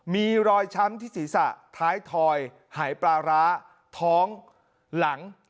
มีรอยช้ำที่ศีรษะท้ายทอยหายปลาร้าท้องหลัง